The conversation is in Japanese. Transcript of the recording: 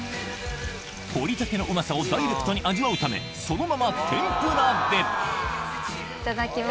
掘りたてのうまさをダイレクトに味わうためそのまま天ぷらでいただきます。